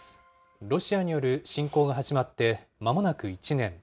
ロシアによる侵攻が始まってまもなく１年。